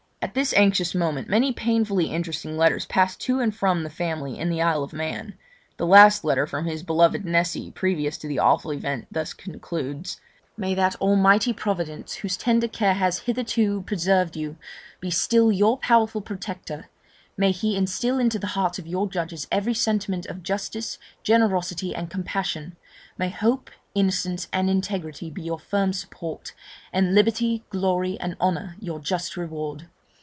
At this anxious moment many painfully interesting letters passed to and from the family in the Isle of Man: the last letter from his beloved Nessy previous to the awful event thus concludes: May that Almighty Providence whose tender care has hitherto preserved you be still your powerful protector! may He instil into the hearts of your judges every sentiment of justice, generosity, and compassion! may hope, innocence, and integrity be your firm support! and liberty, glory, and honour your just reward!